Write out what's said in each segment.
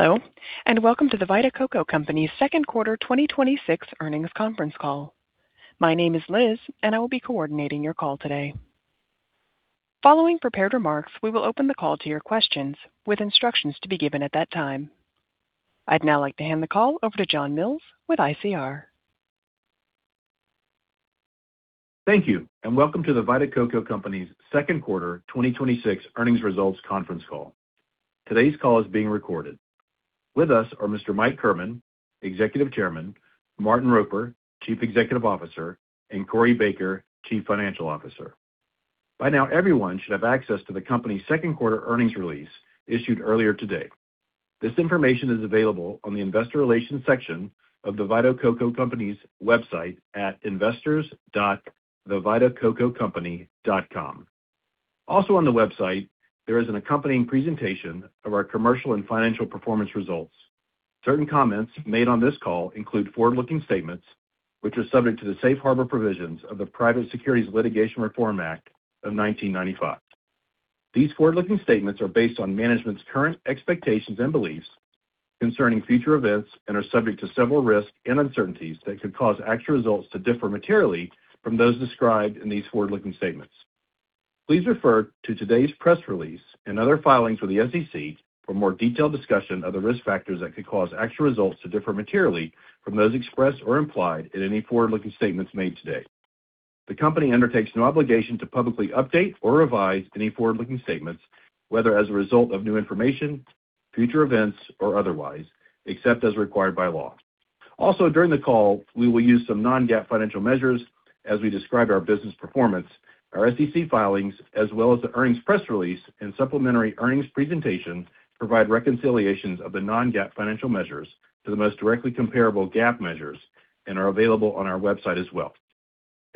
Hello, and welcome to The Vita Coco Company's second quarter 2026 earnings conference call. My name is Liz, and I will be coordinating your call today. Following prepared remarks, we will open the call to your questions with instructions to be given at that time. I'd now like to hand the call over to John Mills with ICR. Thank you, and welcome to The Vita Coco Company's second quarter 2026 earnings results conference call. Today's call is being recorded. With us are Mr. Mike Kirban, Executive Chairman, Martin Roper, Chief Executive Officer, and Corey Baker, Chief Financial Officer. By now, everyone should have access to the company's second quarter earnings release issued earlier today. This information is available on the investor relations section of The Vita Coco Company's website at investors.thevitacococompany.com. Also on the website, there is an accompanying presentation of our commercial and financial performance results. Certain comments made on this call include forward-looking statements, which are subject to the safe harbor provisions of the Private Securities Litigation Reform Act of 1995. These forward-looking statements are based on management's current expectations and beliefs concerning future events, and are subject to several risks and uncertainties that could cause actual results to differ materially from those described in these forward-looking statements. Please refer to today's press release and other filings with the SEC for a more detailed discussion of the risk factors that could cause actual results to differ materially from those expressed or implied in any forward-looking statements made today. The company undertakes no obligation to publicly update or revise any forward-looking statements, whether as a result of new information, future events, or otherwise, except as required by law. Also, during the call, we will use some non-GAAP financial measures as we describe our business performance. Our SEC filings as well as the earnings press release and supplementary earnings presentation provide reconciliations of the non-GAAP financial measures to the most directly comparable GAAP measures and are available on our website as well.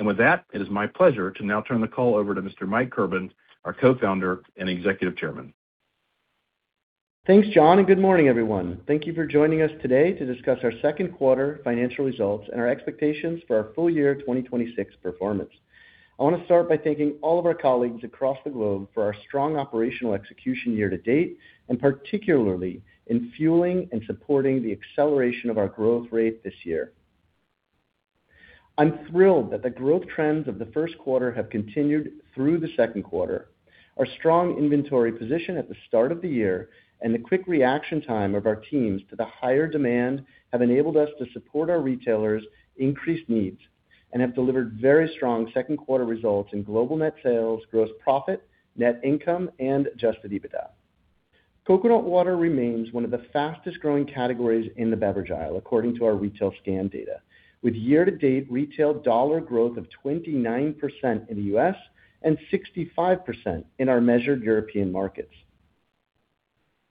With that, it is my pleasure to now turn the call over to Mr. Mike Kirban, our Co-founder and Executive Chairman. Thanks, John, and good morning, everyone. Thank you for joining us today to discuss our second quarter financial results and our expectations for our full year 2026 performance. I want to start by thanking all of our colleagues across the globe for our strong operational execution year to date, and particularly in fueling and supporting the acceleration of our growth rate this year. I'm thrilled that the growth trends of the first quarter have continued through the second quarter. Our strong inventory position at the start of the year and the quick reaction time of our teams to the higher demand have enabled us to support our retailers' increased needs and have delivered very strong second quarter results in global net sales, gross profit, net income and adjusted EBITDA. Coconut water remains one of the fastest growing categories in the beverage aisle, according to our retail scan data, with year to date retail dollar growth of 29% in the U.S. and 65% in our measured European markets.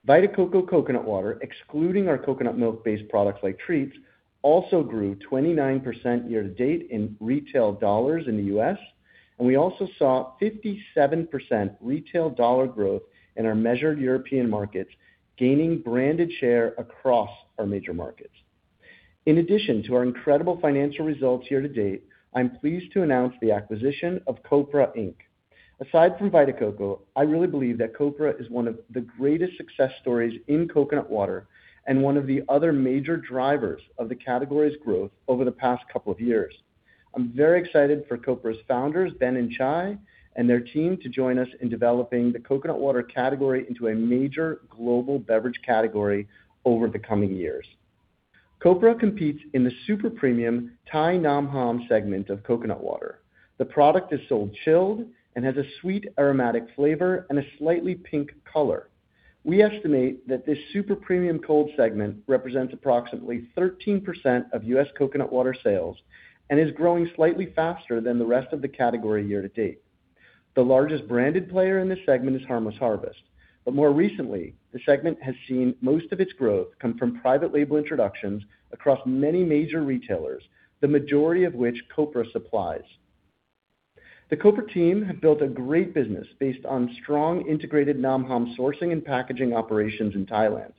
Vita Coco coconut water, excluding our coconut milk based products like Treats, also grew 29% year to date in retail dollars in the U.S. We also saw 57% retail dollar growth in our measured European markets, gaining branded share across our major markets. In addition to our incredible financial results year to date, I'm pleased to announce the acquisition of Copra Inc. Aside from Vita Coco, I really believe that Copra is one of the greatest success stories in coconut water and one of the other major drivers of the category's growth over the past couple of years. I'm very excited for Copra's founders, Ben and Chai, and their team to join us in developing the coconut water category into a major global beverage category over the coming years. Copra competes in the super premium Thai Nam Hom segment of coconut water. The product is sold chilled and has a sweet, aromatic flavor and a slightly pink color. We estimate that this super premium cold segment represents approximately 13% of U.S. coconut water sales and is growing slightly faster than the rest of the category year to date. The largest branded player in this segment is Harmless Harvest. More recently, the segment has seen most of its growth come from private label introductions across many major retailers, the majority of which Copra supplies. The Copra team have built a great business based on strong integrated Nam Hom sourcing and packaging operations in Thailand,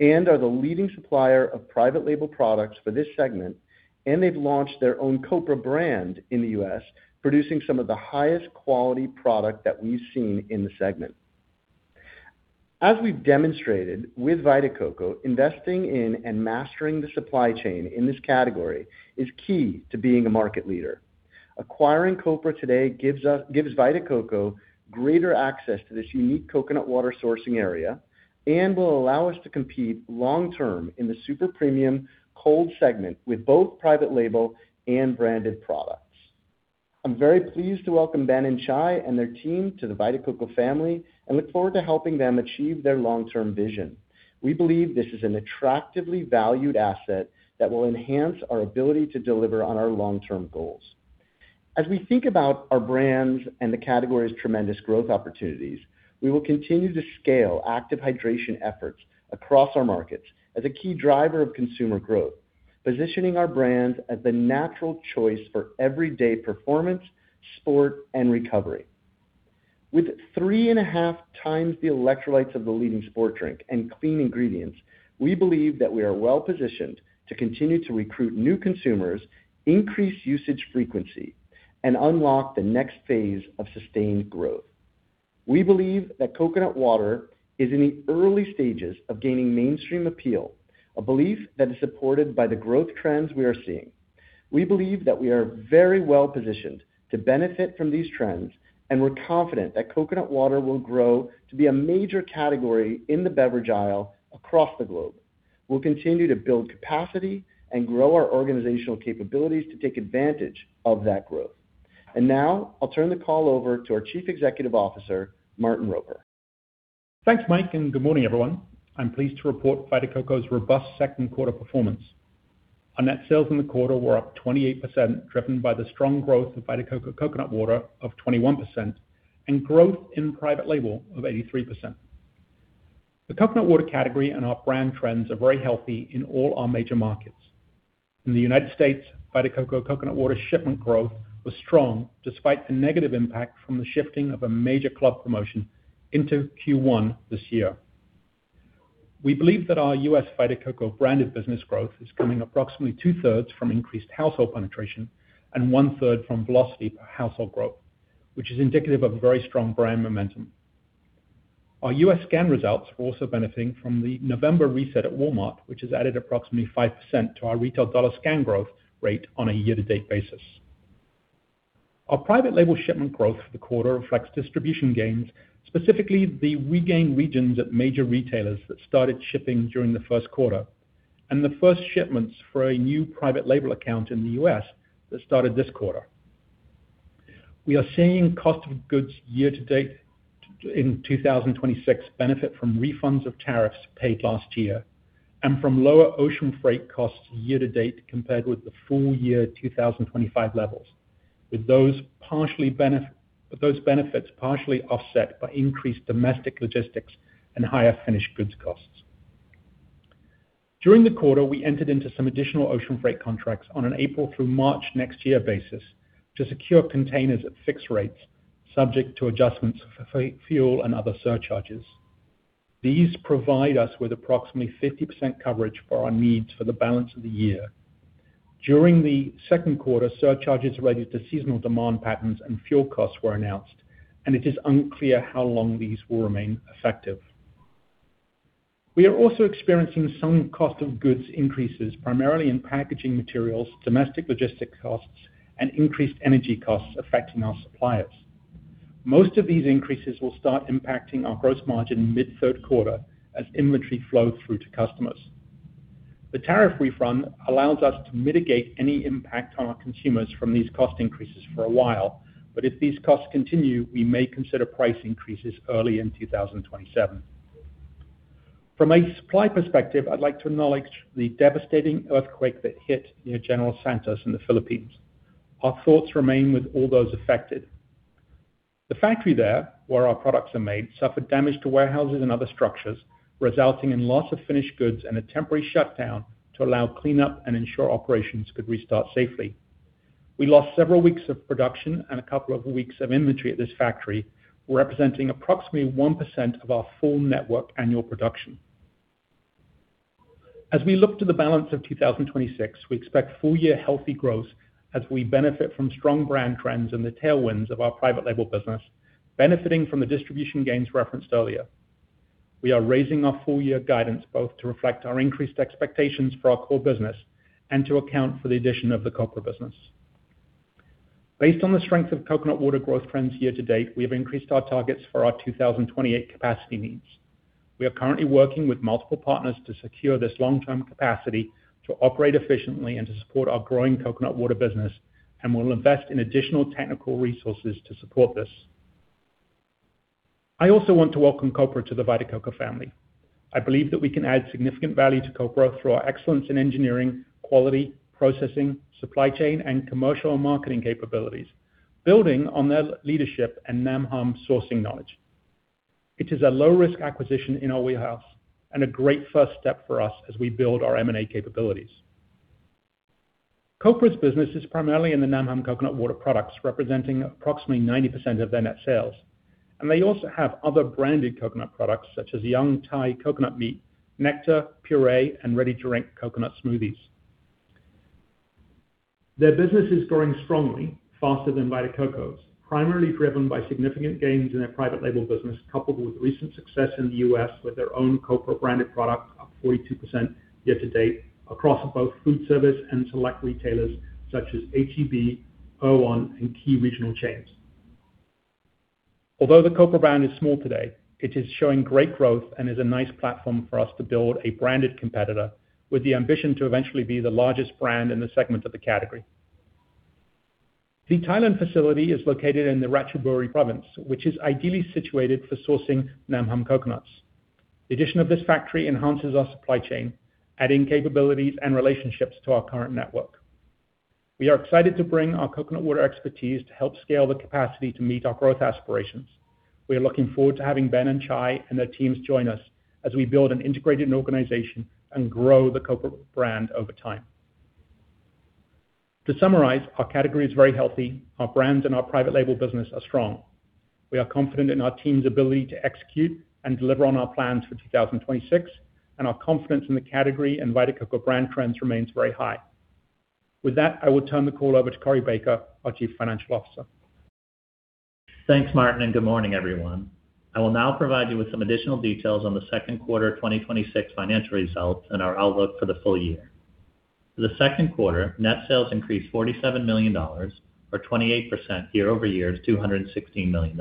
are the leading supplier of private label products for this segment, and they've launched their own Copra brand in the U.S., producing some of the highest quality product that we've seen in the segment. As we've demonstrated with Vita Coco, investing in and mastering the supply chain in this category is key to being a market leader. Acquiring Copra today gives Vita Coco greater access to this unique coconut water sourcing area and will allow us to compete long term in the super premium cold segment with both private label and branded products. I'm very pleased to welcome Ben and Chai and their team to the Vita Coco family and look forward to helping them achieve their long term vision. We believe this is an attractively valued asset that will enhance our ability to deliver on our long term goals. As we think about our brands and the category's tremendous growth opportunities, we will continue to scale active hydration efforts across our markets as a key driver of consumer growth, positioning our brands as the natural choice for everyday performance, sport and recovery. With 3.5x The electrolytes of the leading sport drink and clean ingredients, we believe that we are well positioned to continue to recruit new consumers, increase usage frequency, and unlock the next phase of sustained growth. We believe that coconut water is in the early stages of gaining mainstream appeal, a belief that is supported by the growth trends we are seeing. We believe that we are very well positioned to benefit from these trends, and we're confident that coconut water will grow to be a major category in the beverage aisle across the globe. We'll continue to build capacity and grow our organizational capabilities to take advantage of that growth. Now I'll turn the call over to our Chief Executive Officer, Martin Roper. Thanks, Mike, and good morning, everyone. I'm pleased to report Vita Coco's robust second quarter performance. Our net sales in the quarter were up 28%, driven by the strong growth of Vita Coco Coconut Water of 21% and growth in private label of 83%. The coconut water category and our brand trends are very healthy in all our major markets. In the United States, Vita Coco Coconut Water shipment growth was strong despite the negative impact from the shifting of a major club promotion into Q1 this year. We believe that our U.S. Vita Coco branded business growth is coming approximately 2/3 from increased household penetration and 1/3 from velocity per household growth, which is indicative of very strong brand momentum. Our U.S. scan results are also benefiting from the November reset at Walmart, which has added approximately 5% to our retail dollar scan growth rate on a year-to-date basis. Our private label shipment growth for the quarter reflects distribution gains, specifically the regained regions at major retailers that started shipping during the first quarter, and the first shipments for a new private label account in the U.S. that started this quarter. We are seeing cost of goods year-to-date in 2026 benefit from refunds of tariffs paid last year and from lower ocean freight costs year-to-date compared with the full year 2025 levels. With those benefits partially offset by increased domestic logistics and higher finished goods costs. During the quarter, we entered into some additional ocean freight contracts on an April through March next year basis to secure containers at fixed rates, subject to adjustments for freight, fuel, and other surcharges. These provide us with approximately 50% coverage for our needs for the balance of the year. During the second quarter, surcharges related to seasonal demand patterns and fuel costs were announced, and it is unclear how long these will remain effective. We are also experiencing some cost of goods increases, primarily in packaging materials, domestic logistics costs, and increased energy costs affecting our suppliers. Most of these increases will start impacting our gross margin mid-third quarter as inventory flow through to customers. The tariff refund allows us to mitigate any impact on our consumers from these cost increases for a while, but if these costs continue, we may consider price increases early in 2027. From a supply perspective, I'd like to acknowledge the devastating earthquake that hit near General Santos in the Philippines. Our thoughts remain with all those affected. The factory there, where our products are made, suffered damage to warehouses and other structures, resulting in loss of finished goods and a temporary shutdown to allow cleanup and ensure operations could restart safely. We lost several weeks of production and a couple of weeks of inventory at this factory, representing approximately 1% of our full network annual production. As we look to the balance of 2026, we expect full-year healthy growth as we benefit from strong brand trends and the tailwinds of our private label business, benefiting from the distribution gains referenced earlier. We are raising our full year guidance both to reflect our increased expectations for our core business and to account for the addition of the Copra business. Based on the strength of coconut water growth trends year to date, we have increased our targets for our 2028 capacity needs. We are currently working with multiple partners to secure this long-term capacity to operate efficiently and to support our growing coconut water business, and will invest in additional technical resources to support this. I also want to welcome Copra to The Vita Coco family. I believe that we can add significant value to Copra through our excellence in engineering, quality, processing, supply chain, and commercial marketing capabilities, building on their leadership and Nam Hom sourcing knowledge. It is a low-risk acquisition in our wheelhouse and a great first step for us as we build our M&A capabilities. Copra's business is primarily in the Nam Hom coconut water products, representing approximately 90% of their net sales, and they also have other branded coconut products such as young Thai coconut meat, nectar, puree, and ready-to-drink coconut smoothies. Their business is growing strongly, faster than Vita Coco's, primarily driven by significant gains in their private label business, coupled with recent success in the U.S. with their own Copra branded product, up 42% year to date across both food service and select retailers such as H-E-B, O-Onne], and key regional chains. Although the Copra brand is small today, it is showing great growth and is a nice platform for us to build a branded competitor with the ambition to eventually be the largest brand in the segment of the category. The Thailand facility is located in the Ratchaburi province, which is ideally situated for sourcing Nam Hom coconuts. The addition of this factory enhances our supply chain, adding capabilities and relationships to our current network. We are excited to bring our coconut water expertise to help scale the capacity to meet our growth aspirations. We are looking forward to having Ben and Chai and their teams join us as we build an integrated organization and grow the Copra brand over time. To summarize, our category is very healthy. Our brand and our private label business are strong. We are confident in our team's ability to execute and deliver on our plans for 2026, and our confidence in the category and Vita Coco brand trends remains very high. With that, I will turn the call over to Corey Baker, our Chief Financial Officer. Thanks, Martin. Good morning, everyone. I will now provide you with some additional details on the second quarter 2026 financial results and our outlook for the full year. For the second quarter, net sales increased $47 million, or 28% year-over-year to $216 million,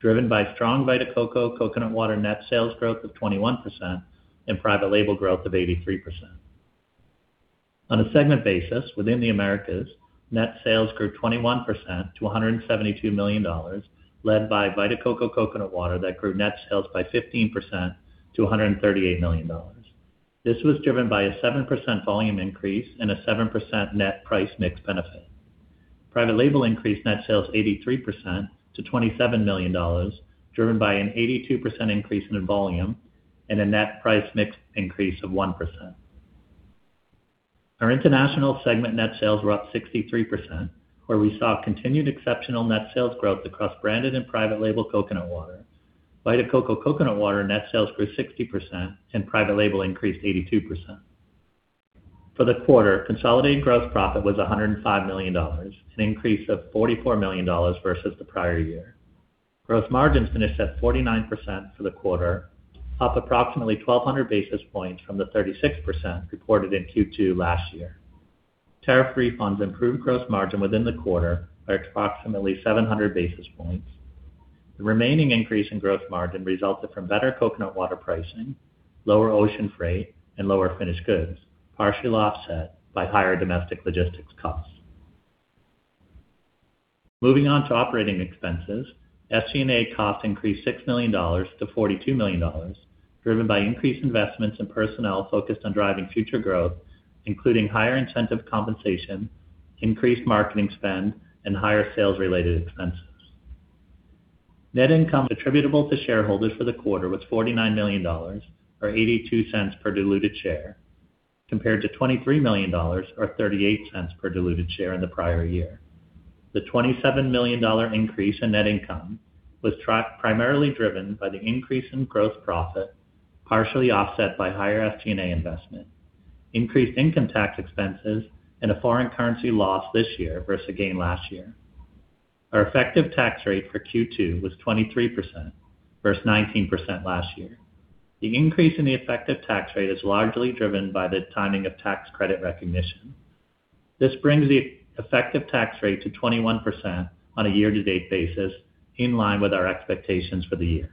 driven by strong Vita Coco Coconut Water net sales growth of 21% and private label growth of 83%. On a segment basis within the Americas, net sales grew 21% to $172 million, led by Vita Coco Coconut Water that grew net sales by 15% to $138 million. This was driven by a 7% volume increase and a 7% net price mix benefit. Private label increased net sales 83% to $27 million, driven by an 82% increase in volume and a net price mix increase of 1%. Our international segment net sales were up 63%, where we saw continued exceptional net sales growth across branded and private label coconut water. Vita Coco Coconut Water net sales grew 60%, and private label increased 82%. For the quarter, consolidated gross profit was $105 million, an increase of $44 million versus the prior year. Gross margins finished at 49% for the quarter, up approximately 1,200 basis points from the 36% reported in Q2 last year. Tariff refunds improved gross margin within the quarter by approximately 700 basis points. The remaining increase in gross margin resulted from better coconut water pricing, lower ocean freight, and lower finished goods, partially offset by higher domestic logistics costs. Moving on to operating expenses. SG&A costs increased $6 million to $42 million, driven by increased investments in personnel focused on driving future growth, including higher incentive compensation, increased marketing spend, and higher sales-related expenses. Net income attributable to shareholders for the quarter was $49 million, or $0.82 per diluted share, compared to $23 million or $0.38 per diluted share in the prior year. The $27 million increase in net income was primarily driven by the increase in gross profit, partially offset by higher SG&A investment, increased income tax expenses, and a foreign currency loss this year versus gain last year. Our effective tax rate for Q2 was 23% versus 19% last year. The increase in the effective tax rate is largely driven by the timing of tax credit recognition. This brings the effective tax rate to 21% on a year-to-date basis, in line with our expectations for the year.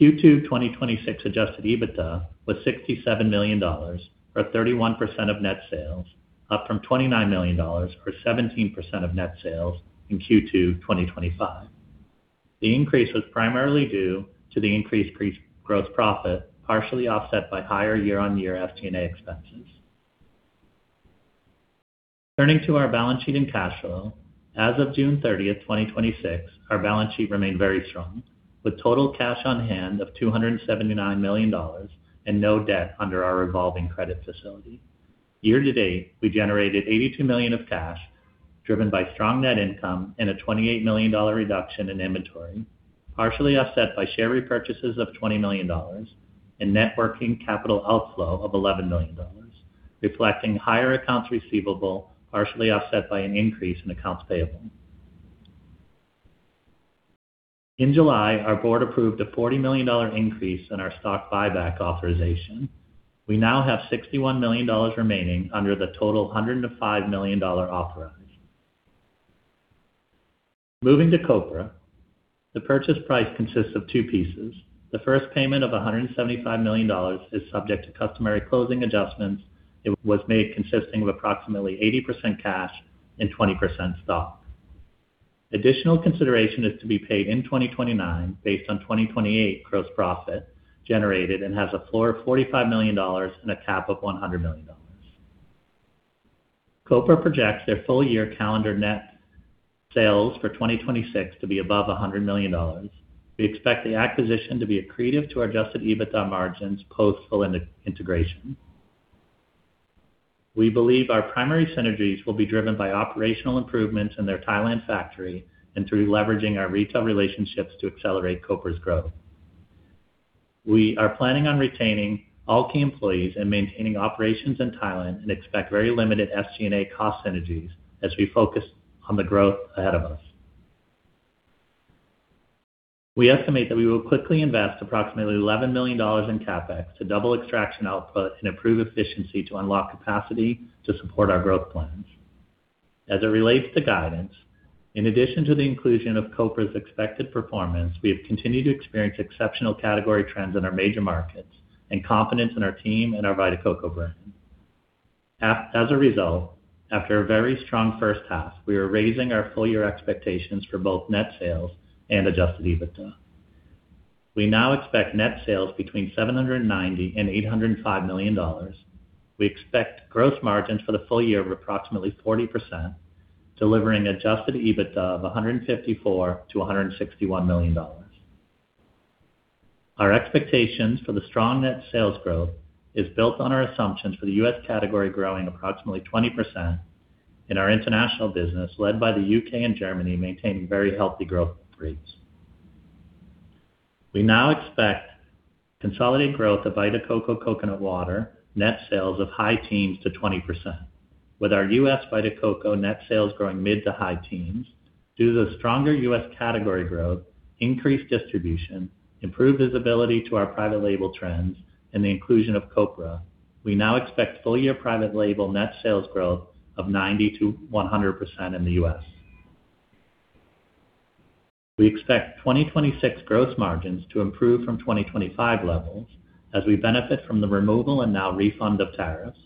Q2 2026 adjusted EBITDA was $67 million, or 31% of net sales, up from $29 million or 17% of net sales in Q2 2025. The increase was primarily due to the increased gross profit, partially offset by higher year-on-year SG&A expenses. Turning to our balance sheet and cash flow. As of June 30th, 2026, our balance sheet remained very strong, with total cash on hand of $279 million and no debt under our revolving credit facility. Year to date, we generated $82 million of cash, driven by strong net income and a $28 million reduction in inventory, partially offset by share repurchases of $20 million and net working capital outflow of $11 million, reflecting higher accounts receivable, partially offset by an increase in accounts payable. In July, our board approved a $40 million increase in our stock buyback authorization. We now have $61 million remaining under the total $105 million authorization. Moving to Copra. The purchase price consists of two pieces. The first payment of $175 million is subject to customary closing adjustments. It was made consisting of approximately 80% cash and 20% stock. Additional consideration is to be paid in 2029 based on 2028 gross profit generated and has a floor of $45 million and a cap of $100 million. Copra projects their full-year calendar net sales for 2026 to be above $100 million. We expect the acquisition to be accretive to our adjusted EBITDA margins post full integration. We believe our primary synergies will be driven by operational improvements in their Thailand factory and through leveraging our retail relationships to accelerate Copra's growth. We are planning on retaining all key employees and maintaining operations in Thailand and expect very limited SG&A cost synergies as we focus on the growth ahead of us. We estimate that we will quickly invest approximately $11 million in CapEx to double extraction output and improve efficiency to unlock capacity to support our growth plans. As it relates to guidance, in addition to the inclusion of Copra's expected performance, we have continued to experience exceptional category trends in our major markets and confidence in our team and our Vita Coco brand. As a result, after a very strong first half, we are raising our full-year expectations for both net sales and adjusted EBITDA. We now expect net sales between $790 million-$805 million. We expect gross margins for the full year of approximately 40%, delivering adjusted EBITDA of $154 million-$161 million. Our expectations for the strong net sales growth is built on our assumptions for the U.S. category growing approximately 20%, and our international business, led by the U.K. and Germany, maintaining very healthy growth rates. We now expect consolidated growth of Vita Coco Coconut Water net sales of high teens to 20%, with our U.S. Vita Coco net sales growing mid to high teens. Due to the stronger U.S. category growth, increased distribution, improved visibility to our private label trends, and the inclusion of Copra, we now expect full-year private label net sales growth of 90%-100% in the U.S. We expect 2026 gross margins to improve from 2025 levels as we benefit from the removal and now refund of tariffs,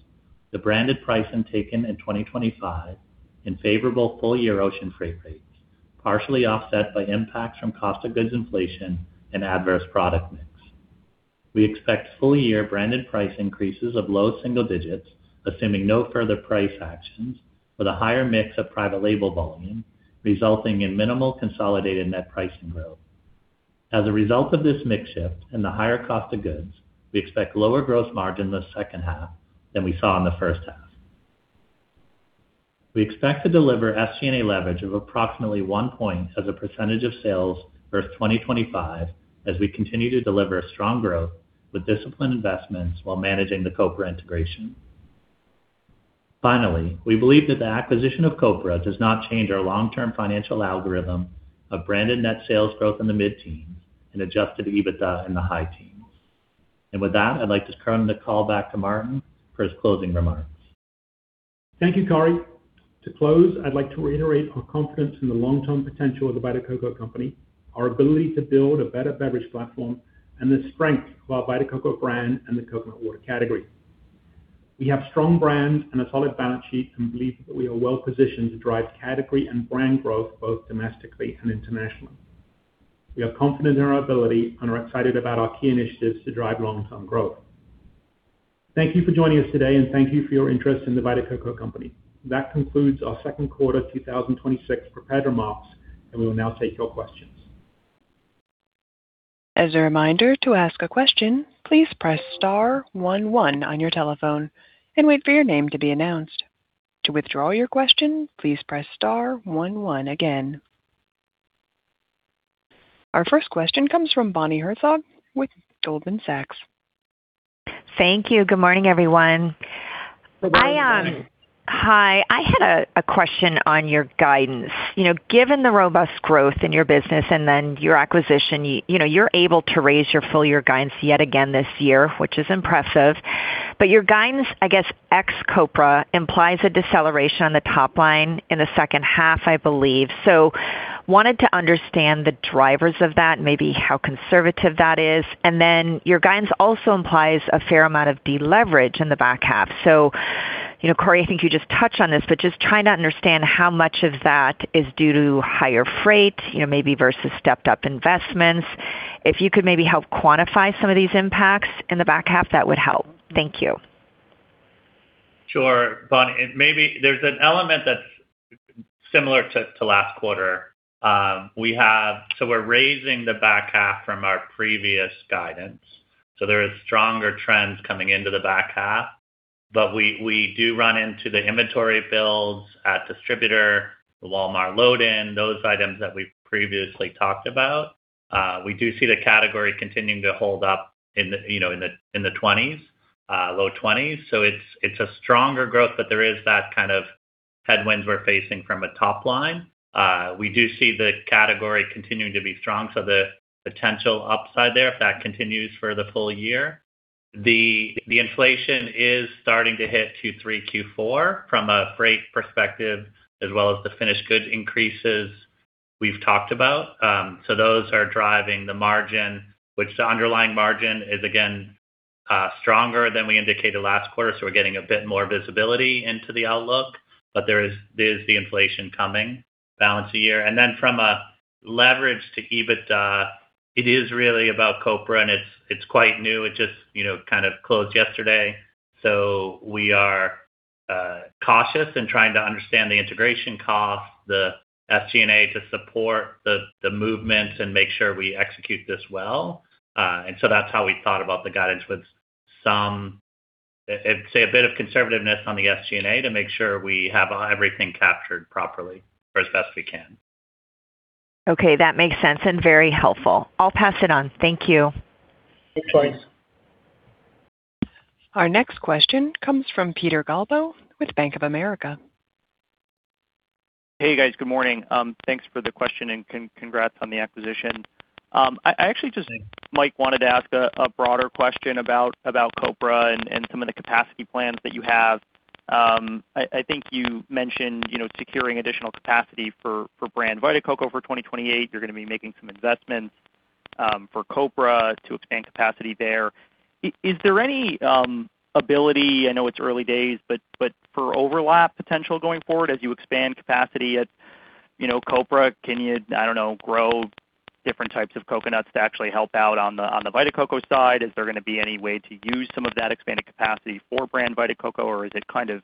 the branded price taken in 2025, and favorable full-year ocean freight rates, partially offset by impacts from cost of goods inflation and adverse product mix. We expect full-year branded price increases of low single digits, assuming no further price actions, with a higher mix of private label volume, resulting in minimal consolidated net pricing growth. As a result of this mix shift and the higher cost of goods, we expect lower gross margin in the second half than we saw in the first half. We expect to deliver SG&A leverage of approximately 1 point as a percentage of sales versus 2025 as we continue to deliver strong growth with disciplined investments while managing the Copra integration. Finally, we believe that the acquisition of Copra does not change our long-term financial algorithm of branded net sales growth in the mid-teens and adjusted EBITDA in the high teens. With that, I'd like to turn the call back to Martin for his closing remarks. Thank you, Corey. To close, I'd like to reiterate our confidence in the long-term potential of The Vita Coco Company, our ability to build a better beverage platform, and the strength of our Vita Coco brand and the coconut water category. We have strong brands and a solid balance sheet and believe that we are well positioned to drive category and brand growth, both domestically and internationally. We are confident in our ability and are excited about our key initiatives to drive long-term growth. Thank you for joining us today, and thank you for your interest in The Vita Coco Company. That concludes our second quarter 2026 prepared remarks, and we will now take your questions. As a reminder, to ask a question, please press star one one on your telephone and wait for your name to be announced. To withdraw your question, please press star one one again. Our first question comes from Bonnie Herzog with Goldman Sachs. Thank you. Good morning, everyone. Good morning. Hi. I had a question on your guidance. Given the robust growth in your business and your acquisition, you're able to raise your full-year guidance yet again this year, which is impressive. Your guidance, I guess, ex Copra, implies a deceleration on the top line in the second half, I believe. Wanted to understand the drivers of that, maybe how conservative that is. Your guidance also implies a fair amount of deleverage in the back half. Corey, I think you just touched on this, but just trying to understand how much of that is due to higher freight, maybe versus stepped up investments. If you could maybe help quantify some of these impacts in the back half, that would help. Thank you. Sure, Bonnie. There's an element that's similar to last quarter. We're raising the back half from our previous guidance. There is stronger trends coming into the back half. We do run into the inventory builds at distributor, the Walmart load-in, those items that we previously talked about. We do see the category continuing to hold up in the 20s%, low 20s%. It's a stronger growth, but there is that kind of headwinds we're facing from a top line. We do see the category continuing to be strong, so the potential upside there, if that continues for the full year. The inflation is starting to hit Q3, Q4 from a freight perspective, as well as the finished goods increases we've talked about. Those are driving the margin, which the underlying margin is, again, stronger than we indicated last quarter, so we're getting a bit more visibility into the outlook. There's the inflation coming balance of the year. From a leverage to EBITDA, it is really about Copra, and it's quite new. It just kind of closed yesterday. We are cautious in trying to understand the integration cost, the SG&A to support the movements and make sure we execute this well. That's how we thought about the guidance with, say, a bit of conservativeness on the SG&A to make sure we have everything captured properly or as best we can. Okay. That makes sense and very helpful. I'll pass it on. Thank you. Thanks. Our next question comes from Peter Galbo with Bank of America. Hey, guys. Good morning. Thanks for the question and congrats on the acquisition. I actually just, Mike, wanted to ask a broader question about Copra and some of the capacity plans that you have. I think you mentioned securing additional capacity for brand Vita Coco for 2028. You're going to be making some investments for Copra to expand capacity there. Is there any ability, I know it's early days, but for overlap potential going forward, as you expand capacity at Copra, can you, I don't know, grow different types of coconuts to actually help out on the Vita Coco side? Is there going to be any way to use some of that expanded capacity for brand Vita Coco, or is it kind of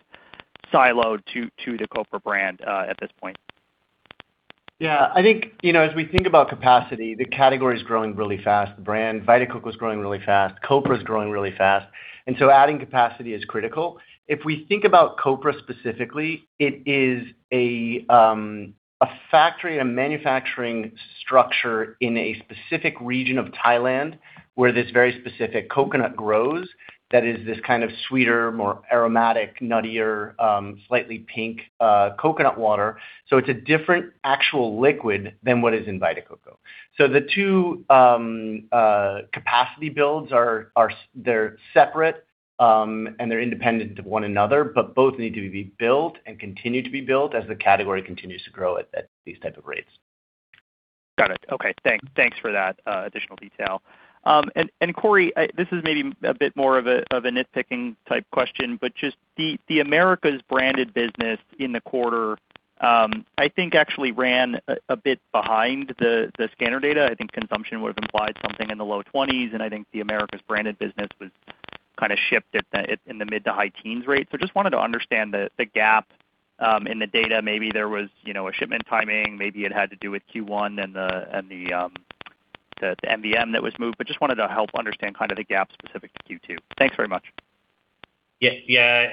siloed to the Copra brand at this point? Yeah, I think, as we think about capacity, the category is growing really fast. The brand Vita Coco is growing really fast. Copra is growing really fast. Adding capacity is critical. If we think about Copra specifically, it is a factory and a manufacturing structure in a specific region of Thailand where this very specific coconut grows that is this kind of sweeter, more aromatic, nuttier, slightly pink coconut water. It's a different actual liquid than what is in Vita Coco. The two capacity builds, they're separate, and they're independent of one another, but both need to be built and continue to be built as the category continues to grow at these type of rates. Got it. Okay, thanks for that additional detail. Corey, this is maybe a bit more of a nitpicking type question, but just the Americas branded business in the quarter, I think, actually ran a bit behind the scanner data. I think consumption would have implied something in the low 20s, and I think the Americas branded business was kind of shipped in the mid to high teens rate. Just wanted to understand the gap in the data. Maybe there was a shipment timing, maybe it had to do with Q1 and the MBM that was moved, but just wanted to help understand kind of the gap specific to Q2. Thanks very much. Yeah.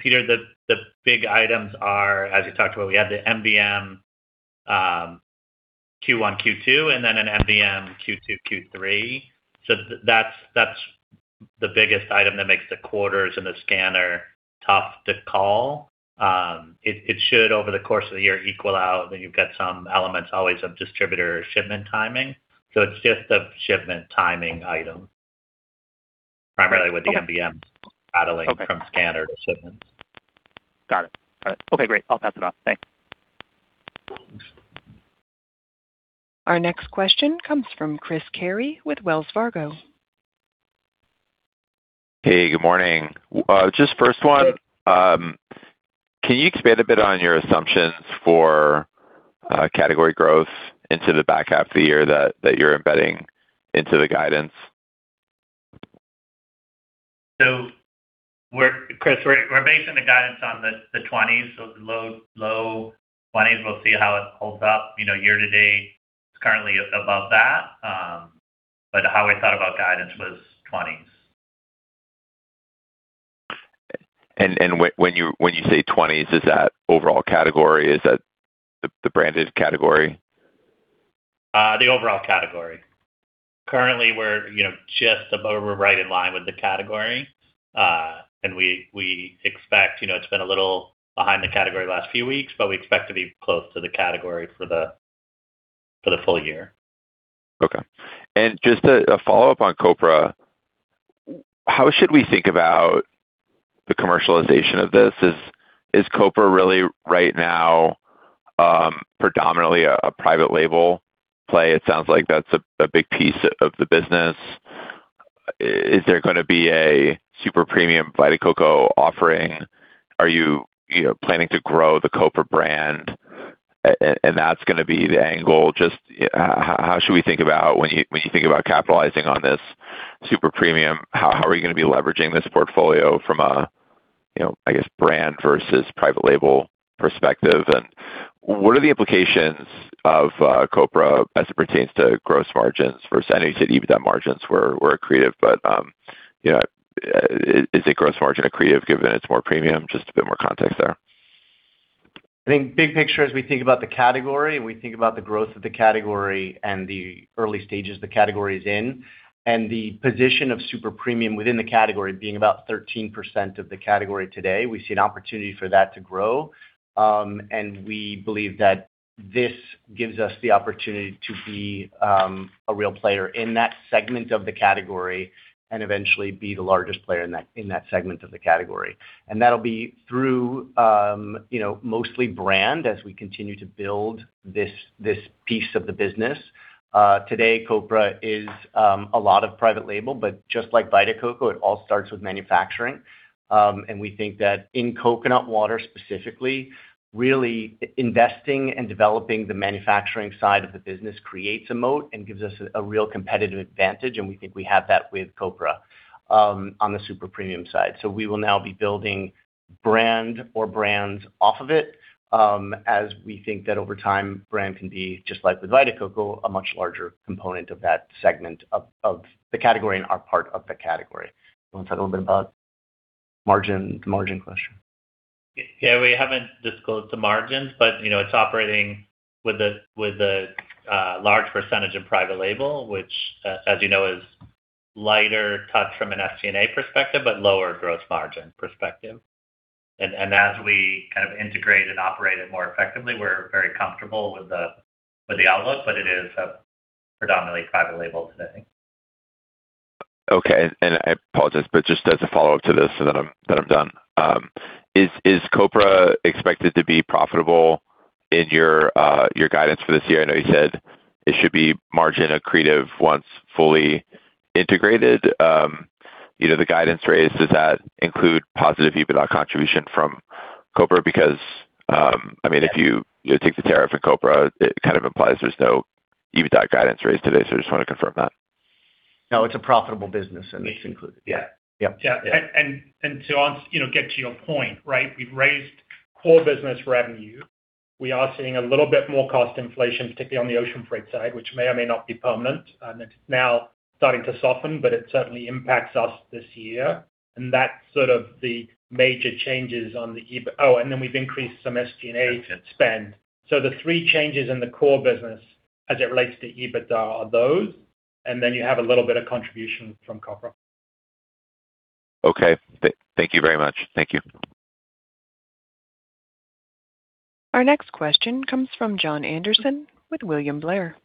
Peter, the big items are, as you talked about, we had the MBM Q1, Q2, and an MBM Q2, Q3. That's the biggest item that makes the quarters and the scanner tough to call. It should, over the course of the year, equal out. You've got some elements always of distributor shipment timing. It's just a shipment timing item primarily with the MBM battling from scanner to shipments. Got it. All right. Okay, great. I'll pass it off. Thanks. Our next question comes from Chris Carey with Wells Fargo. Hey, good morning. Just first one, can you expand a bit on your assumptions for category growth into the back half of the year that you're embedding into the guidance? Chris, we're basing the guidance on the 20s, so the low 20s. We'll see how it holds up. Year to date, it's currently above that. How we thought about guidance was 20s. When you say 20s, is that overall category? Is that the branded category? The overall category. Currently, we're right in line with the category. We expect, it's been a little behind the category last few weeks, we expect to be close to the category for the full year. Okay. Just a follow-up on Copra. How should we think about the commercialization of this? Is Copra really right now predominantly a private label play? It sounds like that's a big piece of the business. Is there going to be a super premium Vita Coco offering? Are you planning to grow the Copra brand, and that's going to be the angle? Just how should we think about when you think about capitalizing on this super premium, how are you going to be leveraging this portfolio from a, I guess, brand versus private label perspective? What are the implications of Copra as it pertains to gross margins versus, I know you said EBITDA margins were accretive, but is the gross margin accretive given it's more premium? Just a bit more context there. I think big picture, as we think about the category and we think about the growth of the category and the early stages the category is in, and the position of super premium within the category being about 13% of the category today, we see an opportunity for that to grow. We believe that this gives us the opportunity to be a real player in that segment of the category and eventually be the largest player in that segment of the category. That'll be through mostly brand as we continue to build this piece of the business. Today, Copra is a lot of private label, but just like Vita Coco, it all starts with manufacturing. We think that in coconut water specifically, really investing and developing the manufacturing side of the business creates a moat and gives us a real competitive advantage, and we think we have that with Copra on the super premium side. We will now be building brand or brands off of it, as we think that over time, brand can be, just like with Vita Coco, a much larger component of that segment of the category and our part of the category. You want to talk a little bit about the margin question? Yeah. We haven't disclosed the margins, but it's operating with a large percentage of private label, which as you know, is lighter touch from an SG&A perspective, but lower gross margin perspective. As we kind of integrate and operate it more effectively, we're very comfortable with the outlook, but it is predominantly private label today. Okay. I apologize, but just as a follow-up to this, then I'm done. Is Copra expected to be profitable in your guidance for this year? I know you said it should be margin accretive once fully integrated. The guidance raise, does that include positive EBITDA contribution from Copra? I mean, if you take the tariff and Copra, it kind of implies there's no EBITDA guidance raise today. Just want to confirm that. No, it's a profitable business and it's included. Yeah. Yep. Yeah. To get to your point, right? We've raised core business revenue. We are seeing a little bit more cost inflation, particularly on the ocean freight side, which may or may not be permanent. It's now starting to soften, but it certainly impacts us this year. That's sort of the major changes on the EBITDA. Oh, then we've increased some SG&A spend. The three changes in the core business as it relates to EBITDA are those, then you have a little bit of contribution from Copra. Okay. Thank you very much. Thank you. Our next question comes from Jon Andersen with William Blair.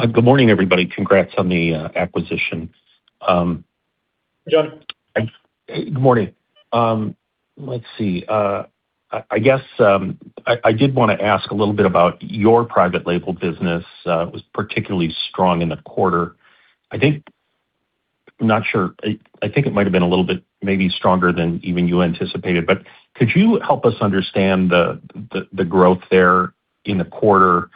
Good morning, everybody. Congrats on the acquisition. Jon. Good morning. Let's see. I guess, I did want to ask a little bit about your private label business. It was particularly strong in the quarter. I'm not sure. I think it might have been a little bit maybe stronger than even you anticipated, but could you help us understand the growth there in the quarter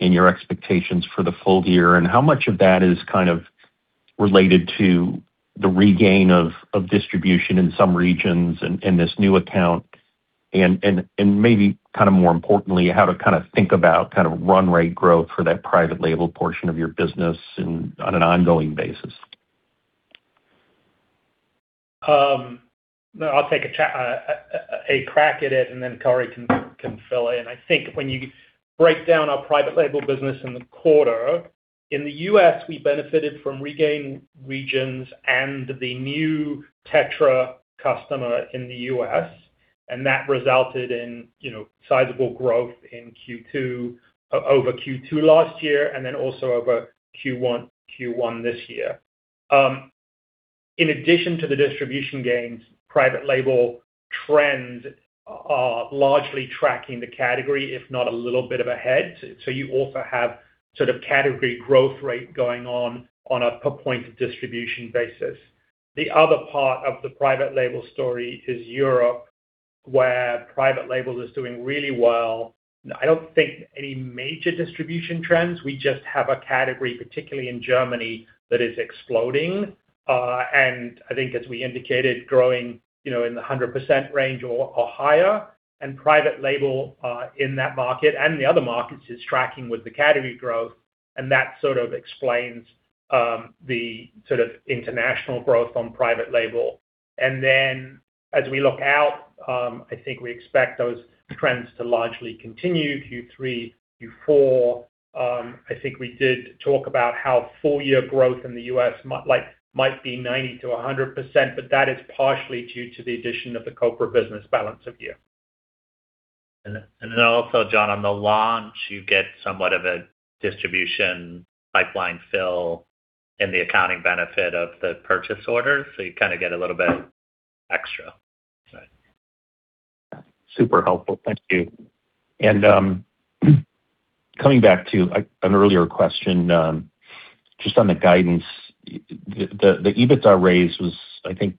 and your expectations for the full year, and how much of that is kind of related to the regain of distribution in some regions and this new account and maybe more importantly, how to kind of think about run rate growth for that private label portion of your business on an ongoing basis? I'll take a crack at it and then Corey can fill in. I think when you break down our private label business in the quarter, in the U.S., we benefited from regained regions and the new Tetra customer in the U.S., and that resulted in sizable growth over Q2 last year, and then also over Q1 this year. In addition to the distribution gains, private label trends are largely tracking the category, if not a little bit of ahead. You also have sort of category growth rate going on a per-point distribution basis. The other part of the private label story is Europe, where private label is doing really well. I don't think any major distribution trends, we just have a category, particularly in Germany, that is exploding. I think as we indicated, growing in the 100% range or higher and private label, in that market and the other markets is tracking with the category growth and that sort of explains the sort of international growth on private label. As we look out, I think we expect those trends to largely continue Q3, Q4. I think we did talk about how full year growth in the U.S. might be 90%-100%, but that is partially due to the addition of the Copra business balance of year. Also, Jon, on the launch, you get somewhat of a distribution pipeline fill in the accounting benefit of the purchase order. You kind of get a little bit extra. Right. Super helpful. Thank you. Coming back to an earlier question, just on the guidance. The EBITDA raise was, I think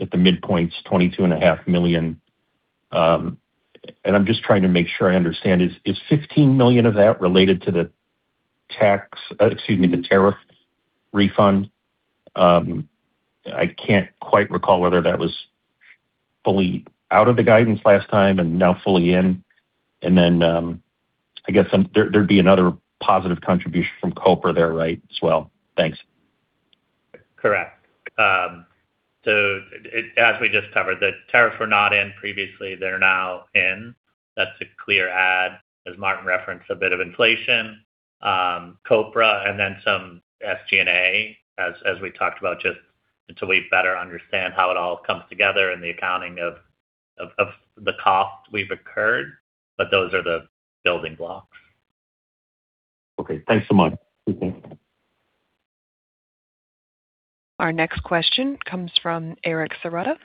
at the midpoints, $22.5 million. I'm just trying to make sure I understand. Is $15 million of that related to the tariff refund? I can't quite recall whether that was fully out of the guidance last time and now fully in. I guess there'd be another positive contribution from Copra there, right as well? Thanks. Correct. As we just covered, the tariffs were not in previously, they're now in, that's a clear add. As Martin referenced, a bit of inflation, Copra and then some SG&A as we talked about, just until we better understand how it all comes together and the accounting of the cost we've incurred. Those are the building blocks. Okay, thanks so much. Appreciate it. Our next question comes fromEric Serotta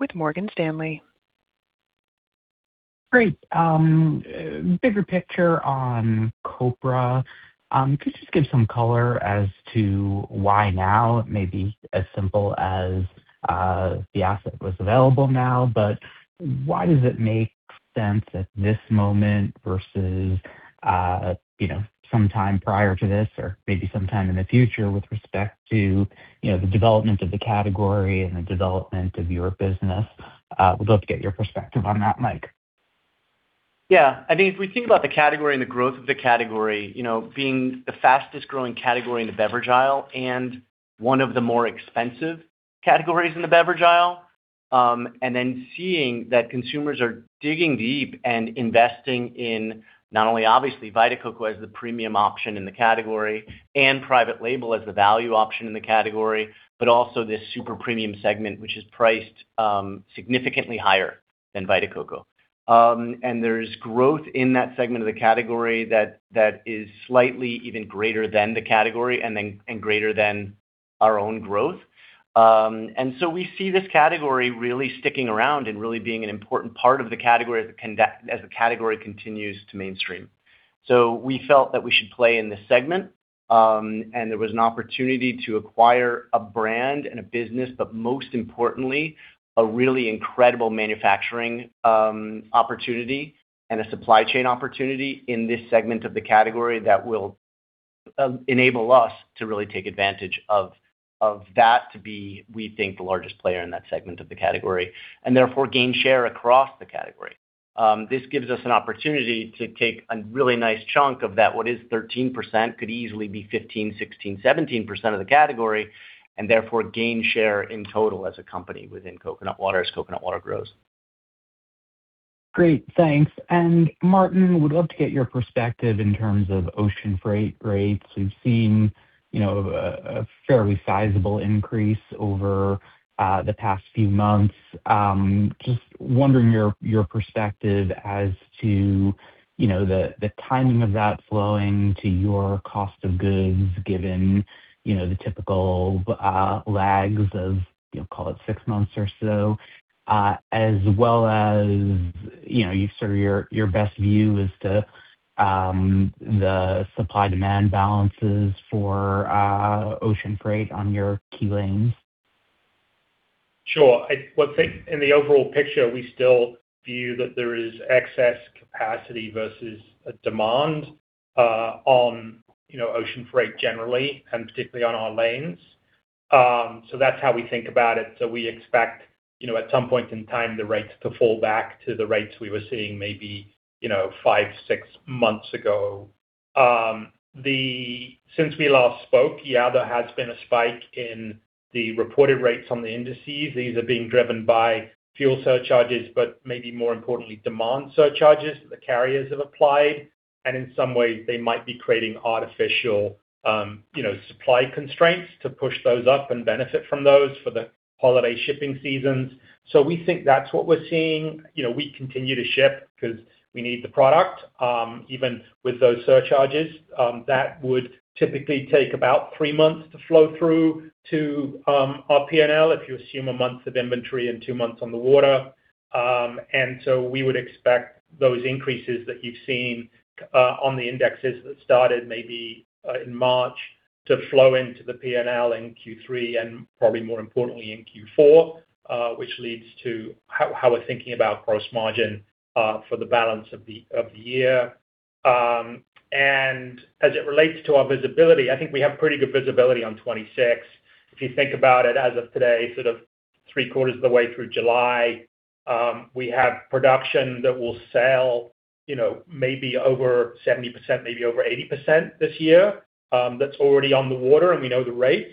with Morgan Stanley. Great. Bigger picture on Copra. Could you just give some color as to why now? It may be as simple as the asset was available now, but why does it make sense at this moment versus sometime prior to this or maybe sometime in the future with respect to the development of the category and the development of your business? Would love to get your perspective on that, Mike. Yeah. I think if we think about the category and the growth of the category, being the fastest growing category in the beverage aisle and one of the more expensive categories in the beverage aisle. Seeing that consumers are digging deep and investing in not only obviously Vita Coco as the premium option in the category and private label as the value option in the category, but also this super premium segment, which is priced significantly higher than Vita Coco. There's growth in that segment of the category that is slightly even greater than the category and greater than our own growth. We see this category really sticking around and really being an important part of the category as the category continues to mainstream. We felt that we should play in this segment, and there was an opportunity to acquire a brand and a business, but most importantly, a really incredible manufacturing opportunity and a supply chain opportunity in this segment of the category that will Enable us to really take advantage of that to be, we think, the largest player in that segment of the category, and therefore gain share across the category. This gives us an opportunity to take a really nice chunk of that, what is 13% could easily be 15%, 16%, 17% of the category, and therefore gain share in total as a company within coconut water, as coconut water grows. Great. Thanks. Martin, would love to get your perspective in terms of ocean freight rates. We've seen a fairly sizable increase over the past few months. Just wondering your perspective as to the timing of that flowing to your cost of goods given the typical lags of, call it, six months or so, as well as your best view as to the supply-demand balances for ocean freight on your key lanes. Sure. I would think in the overall picture, we still view that there is excess capacity versus a demand on ocean freight generally, and particularly on our lanes. That's how we think about it. We expect, at some point in time, the rates to fall back to the rates we were seeing maybe five, six months ago. Since we last spoke, yeah, there has been a spike in the reported rates on the indices. These are being driven by fuel surcharges, but maybe more importantly, demand surcharges that the carriers have applied, and in some ways they might be creating artificial supply constraints to push those up and benefit from those for the holiday shipping seasons. We think that's what we're seeing. We continue to ship because we need the product, even with those surcharges. That would typically take about three months to flow through to our P&L, if you assume a month of inventory and two months on the water. We would expect those increases that you've seen on the indexes that started maybe in March to flow into the P&L in Q3 and probably more importantly in Q4, which leads to how we're thinking about gross margin for the balance of the year. As it relates to our visibility, I think we have pretty good visibility on 2026. If you think about it as of today, sort of three quarters of the way through July, we have production that will sell maybe over 70%, maybe over 80% this year, that's already on the water and we know the rates.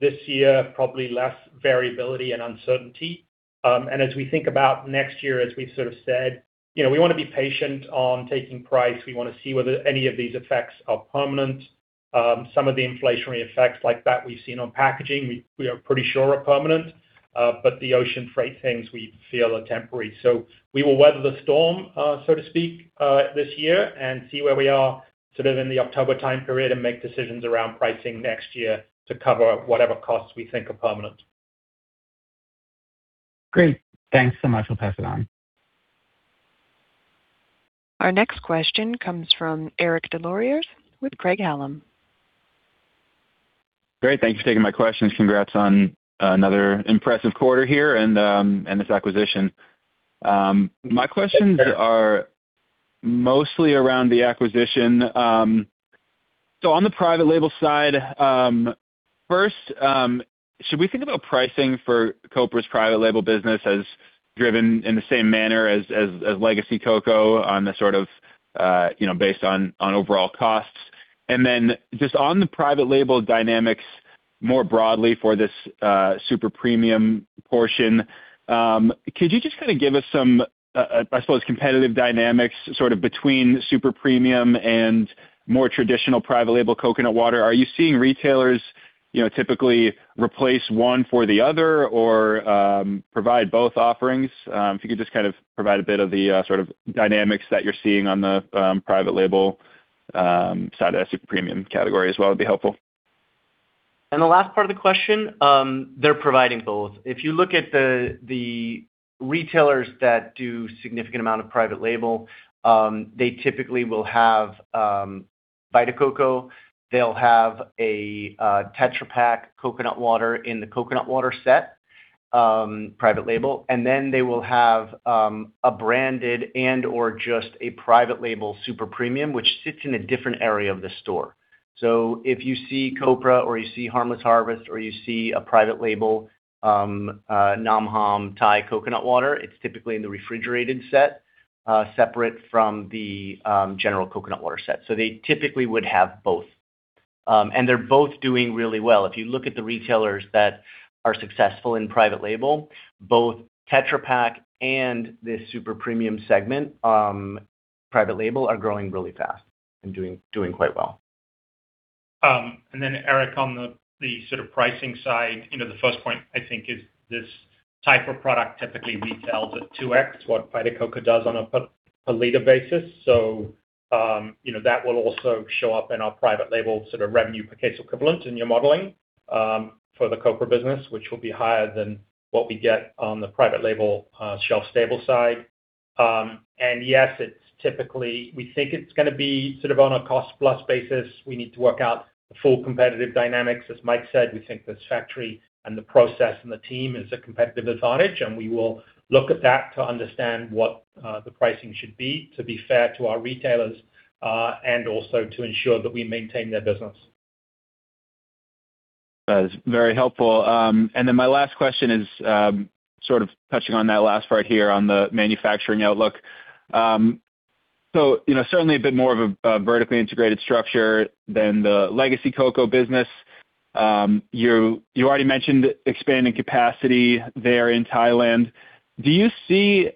This year, probably less variability and uncertainty. As we think about next year, as we've sort of said, we want to be patient on taking price. We want to see whether any of these effects are permanent. Some of the inflationary effects like that we've seen on packaging, we are pretty sure are permanent. The ocean freight things we feel are temporary. We will weather the storm, so to speak, this year and see where we are sort of in the October time period and make decisions around pricing next year to cover whatever costs we think are permanent. Great. Thanks so much. I'll pass it on. Our next question comes from Eric Des Lauriers with Craig-Hallum. Great. Thanks for taking my questions. Congrats on another impressive quarter here and this acquisition. My questions are mostly around the acquisition. On the private label side, first, should we think about pricing for Copra's private label business as driven in the same manner as legacy Coco on the sort of based on overall costs? Just on the private label dynamics more broadly for this super premium portion, could you just kind of give us some, I suppose, competitive dynamics sort of between super premium and more traditional private label coconut water? Are you seeing retailers typically replace one for the other or provide both offerings? If you could just kind of provide a bit of the sort of dynamics that you're seeing on the private label side, super premium category as well would be helpful. The last part of the question, they're providing both. If you look at the retailers that do significant amount of private label, they typically will have Vita Coco, they'll have a Tetra Pak coconut water in the coconut water set, private label, and then they will have a branded and/or just a private label, super premium, which sits in a different area of the store. If you see Copra or you see Harmless Harvest or you see a private label, Nam Hom Thai coconut water, it's typically in the refrigerated set, separate from the general coconut water set. They typically would have both. They're both doing really well. If you look at the retailers that are successful in private label, both Tetra Pak and the super premium segment, private label are growing really fast and doing quite well. Eric, on the sort of pricing side, the first point I think is this type of product typically retails at 2x what Vita Coco does on a per liter basis. That will also show up in our private label sort of revenue per case equivalent in your modeling for the Copra business, which will be higher than what we get on the private label shelf stable side. Yes, it's typically, we think it's going to be sort of on a cost plus basis. We need to work out the full competitive dynamics. As Mike said, we think this factory and the process and the team is a competitive advantage and we will look at that to understand what the pricing should be to be fair to our retailers, and also to ensure that we maintain their business. That is very helpful. My last question is sort of touching on that last part here on the manufacturing outlook. Certainly a bit more of a vertically integrated structure than the legacy Coco business. You already mentioned expanding capacity there in Thailand. Do you see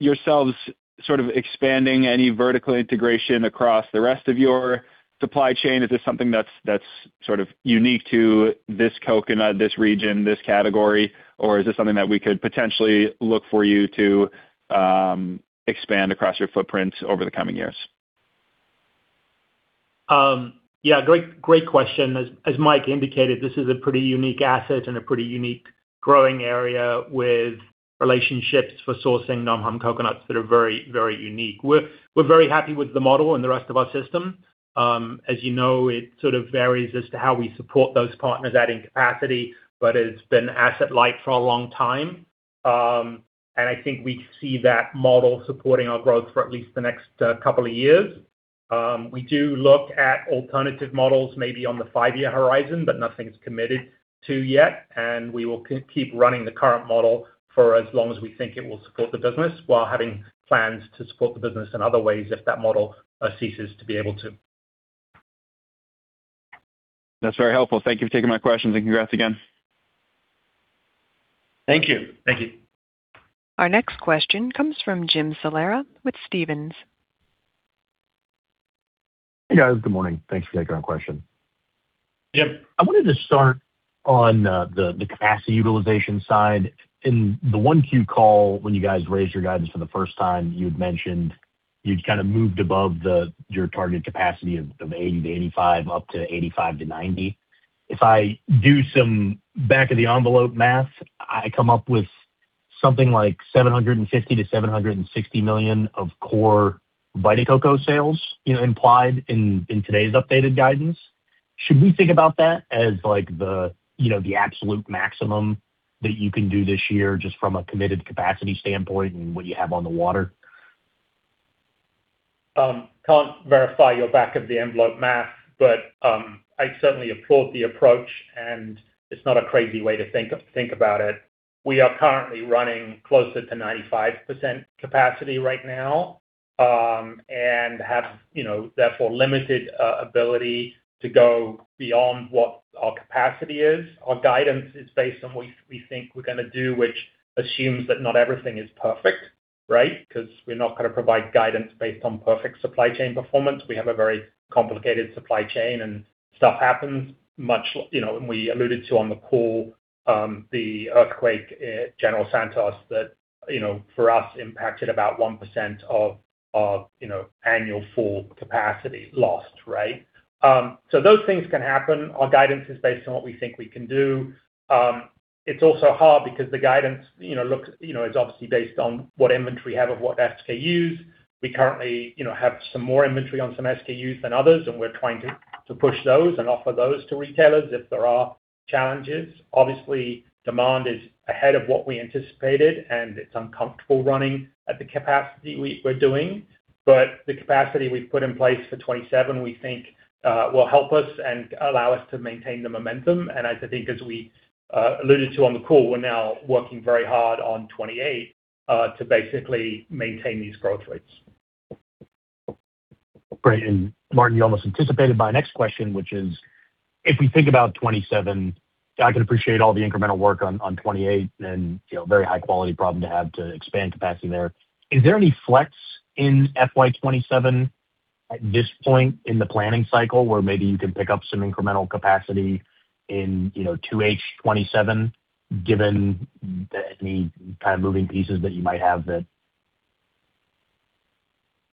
yourselves sort of expanding any vertical integration across the rest of your supply chain? Is this something that's sort of unique to this coconut, this region, this category? Or is this something that we could potentially look for you to expand across your footprint over the coming years? Yeah. Great question. As Mike indicated, this is a pretty unique asset and a pretty unique growing area with relationships for sourcing Nam Hom coconuts that are very unique. We are very happy with the model and the rest of our system. As you know, it sort of varies as to how we support those partners adding capacity, but it has been asset light for a long time. I think we see that model supporting our growth for at least the next couple of years. We do look at alternative models maybe on the five-year horizon, but nothing is committed to yet, and we will keep running the current model for as long as we think it will support the business while having plans to support the business in other ways if that model ceases to be able to. That is very helpful. Thank you for taking my questions, and congrats again. Thank you. Our next question comes from Jim Salera with Stephens. Hey, guys. Good morning. Thanks for taking our question. Yep. I wanted to start on the capacity utilization side. In the 1Q call, when you guys raised your guidance for the first time, you had mentioned you'd kind of moved above your target capacity of 80%-85% up to 85%-90%. If I do some back of the envelope math, I come up with something like $750 million-$760 million of core Vita Coco sales implied in today's updated guidance. Should we think about that as the absolute maximum that you can do this year just from a committed capacity standpoint and what you have on the water? Can't verify your back of the envelope math, but I certainly applaud the approach and it's not a crazy way to think about it. We are currently running closer to 95% capacity right now, and have therefore limited ability to go beyond what our capacity is. Our guidance is based on what we think we're going to do, which assumes that not everything is perfect, right? Because we're not going to provide guidance based on perfect supply chain performance. We have a very complicated supply chain and stuff happens. We alluded to on the call, the earthquake, General Santos that, for us, impacted about 1% of annual full capacity lost, right? Those things can happen. Our guidance is based on what we think we can do. It's also hard because the guidance is obviously based on what inventory we have of what SKUs. We currently have some more inventory on some SKUs than others, and we're trying to push those and offer those to retailers if there are challenges. Obviously, demand is ahead of what we anticipated and it's uncomfortable running at the capacity we're doing. The capacity we've put in place for 2027 we think will help us and allow us to maintain the momentum. I think as we alluded to on the call, we're now working very hard on 2028 to basically maintain these growth rates. Great. Martin, you almost anticipated my next question, which is, if we think about 2027, I can appreciate all the incremental work on 2028 and very high-quality problem to have to expand capacity there. Is there any flex in FY 2027 at this point in the planning cycle where maybe you can pick up some incremental capacity in 2H 2027 given any kind of moving pieces that you might have that?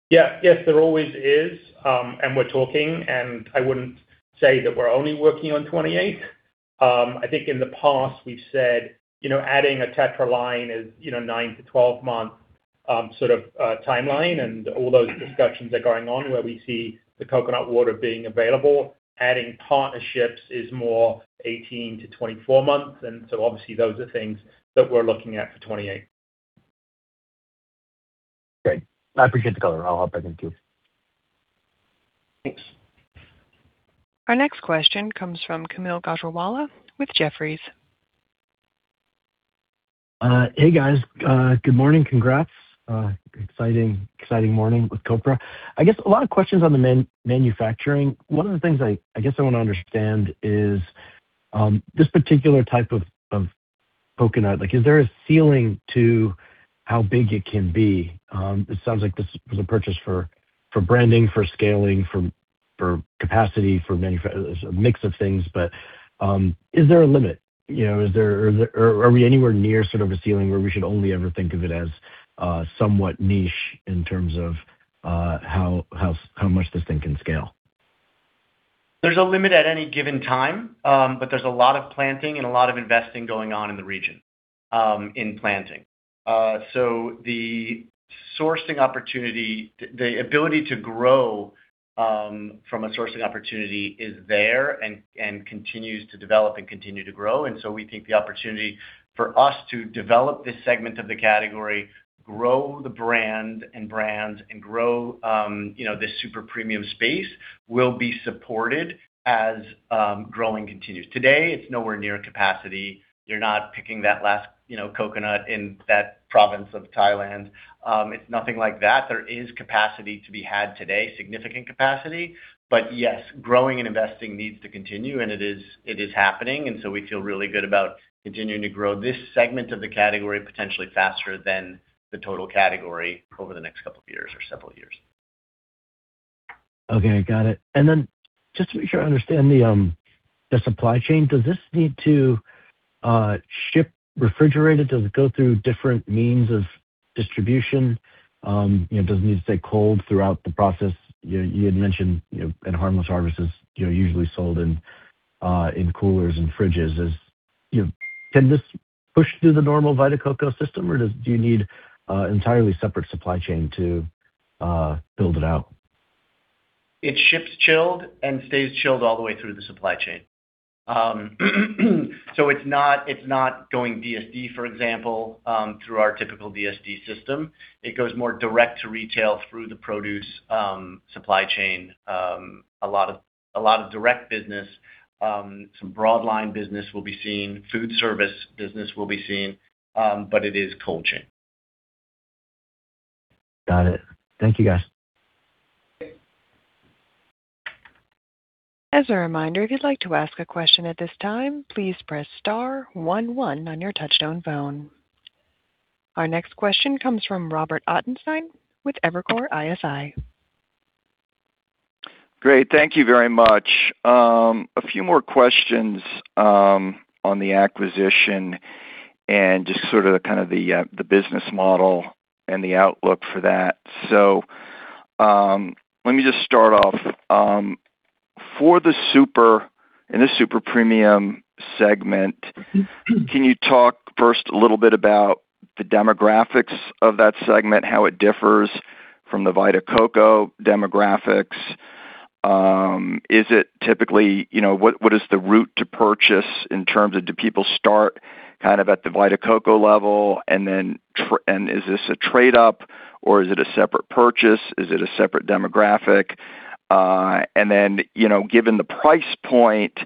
Yes. There always is, we're talking and I wouldn't say that we're only working on 2028. I think in the past we've said adding a Tetra line is 9-12 month sort of timeline and all those discussions are going on where we see the coconut water being available. Adding partnerships is more 18-24 months, obviously those are things that we're looking at for 2028. Great. I appreciate the color. I'll hop back in queue. Thanks. Our next question comes from Kaumil Gajrawala with Jefferies. Hey, guys. Good morning. Congrats. Exciting morning with Copra. I guess a lot of questions on the manufacturing. One of the things I guess I want to understand is this particular type of coconut, is there a ceiling to how big it can be? It sounds like this was a purchase for branding, for scaling, for capacity, for manufacture. There's a mix of things. Is there a limit? Are we anywhere near sort of a ceiling where we should only ever think of it as somewhat niche in terms of how much this thing can scale? There's a limit at any given time. There's a lot of planting and a lot of investing going on in the region, in planting. The Sourcing opportunity, the ability to grow from a sourcing opportunity is there and continues to develop and continue to grow. We think the opportunity for us to develop this segment of the category, grow the brand and brands and grow this super premium space will be supported as growing continues. Today, it's nowhere near capacity. You're not picking that last coconut in that province of Thailand. It's nothing like that. There is capacity to be had today, significant capacity. Yes, growing and investing needs to continue, and it is happening. We feel really good about continuing to grow this segment of the category, potentially faster than the total category over the next couple of years or several years. Okay, got it. Just to make sure I understand the supply chain, does this need to ship refrigerated? Does it go through different means of distribution? Does it need to stay cold throughout the process? You had mentioned Harmless Harvest is usually sold in coolers and fridges. Can this push through the normal Vita Coco system, or do you need an entirely separate supply chain to build it out? It ships chilled and stays chilled all the way through the supply chain. It's not going DSD, for example, through our typical DSD system. It goes more direct to retail through the produce supply chain. A lot of direct business, some broad line business will be seen, food service business will be seen, but it is cold chain. Got it. Thank you, guys. As a reminder, if you'd like to ask a question at this time, please press star one one on your touchtone phone. Our next question comes from Robert Ottenstein with Evercore ISI. Great. Thank you very much. A few more questions on the acquisition and just sort of the kind of the business model and the outlook for that. Let me just start off. For the super and the super premium segment, can you talk first a little bit about the demographics of that segment, how it differs from the Vita Coco demographics? Is it typically, what is the route to purchase in terms of, do people start kind of at the Vita Coco level, and is this a trade-up or is it a separate purchase? Is it a separate demographic? And then, given the price point,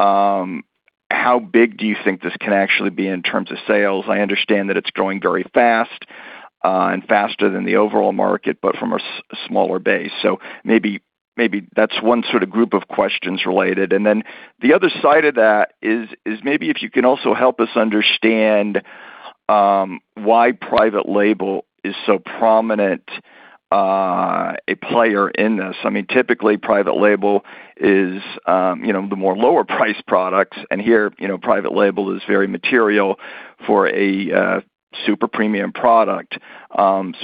how big do you think this can actually be in terms of sales? I understand that it's growing very fast and faster than the overall market, but from a smaller base. Maybe that's one sort of group of questions related. The other side of that is maybe if you can also help us understand why private label is so prominent a player in this. I mean, typically private label is the more lower priced products, and here private label is very material for a super premium product.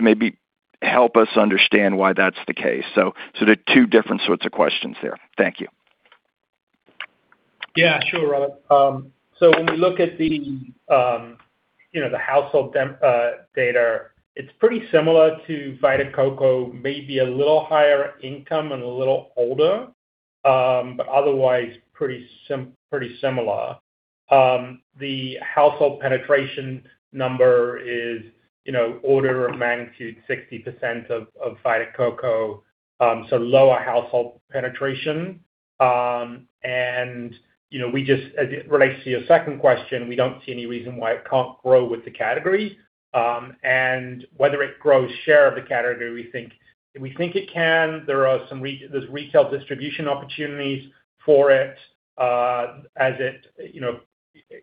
Maybe help us understand why that's the case. The two different sorts of questions there. Thank you. Yeah, sure, Robert. When we look at the household dem data, it's pretty similar to Vita Coco, maybe a little higher income and a little older, but otherwise pretty similar. The household penetration number is order of magnitude 60% of Vita Coco, so lower household penetration. We just, as it relates to your second question, we don't see any reason why it can't grow with the category. Whether it grows share of the category, we think it can. There's retail distribution opportunities for it as it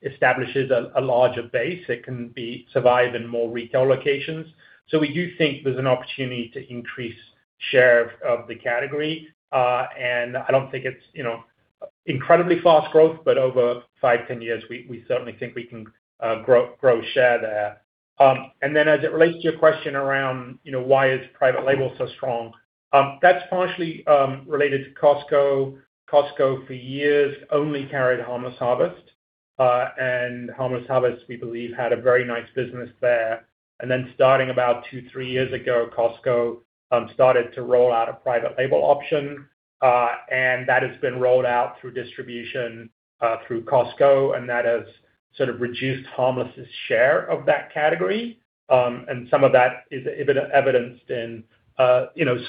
establishes a larger base, it can survive in more retail locations. We do think there's an opportunity to increase share of the category. I don't think it's incredibly fast growth, but over five, 10 years, we certainly think we can grow share there. As it relates to your question around why is private label so strong, that's partially related to Costco. Costco for years only carried Harmless Harvest. Harmless Harvest, we believe, had a very nice business there. Starting about two, three years ago, Costco started to roll out a private label option, and that has been rolled out through distribution through Costco, and that has sort of reduced Harmless' share of that category. Some of that is evidenced in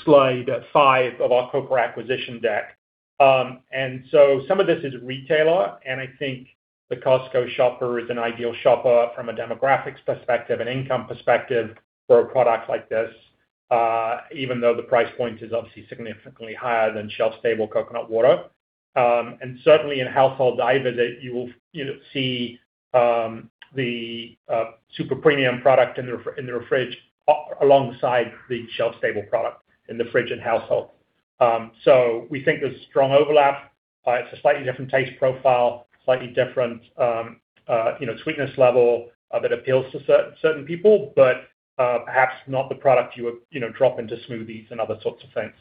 slide five of our Copra acquisition deck. Some of this is retailer, and I think the Costco shopper is an ideal shopper from a demographics perspective and income perspective for a product like this, even though the price point is obviously significantly higher than shelf-stable coconut water. Certainly in household dive, you will see the super premium product in the fridge alongside the shelf-stable product in the fridge and household. We think there's strong overlap. It's a slightly different taste profile, slightly different sweetness level that appeals to certain people, but perhaps not the product you would drop into smoothies and other sorts of things.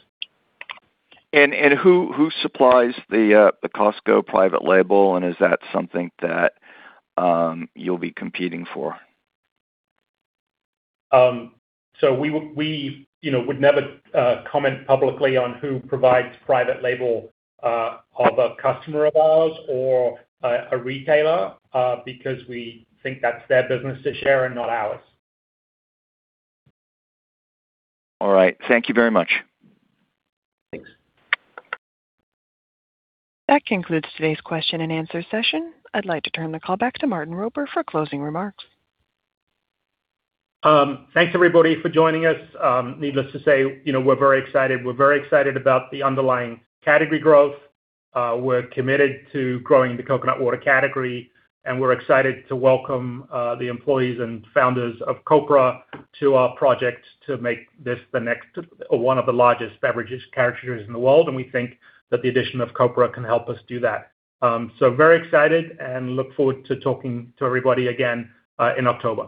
Who supplies the Costco private label, and is that something that you'll be competing for? We would never comment publicly on who provides private label of a customer of ours or a retailer, because we think that's their business to share and not ours. All right. Thank you very much. Thanks. That concludes today's question and answer session. I'd like to turn the call back to Martin Roper for closing remarks. Thanks everybody for joining us. Needless to say, we're very excited. We're very excited about the underlying category growth. We're committed to growing the coconut water category, and we're excited to welcome the employees and founders of Copra to our project to make this the next, one of the largest beverages categories in the world, and we think that the addition of Copra can help us do that. Very excited and look forward to talking to everybody again in October.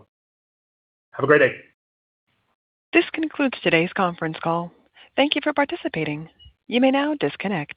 Have a great day. This concludes today's conference call. Thank you for participating. You may now disconnect.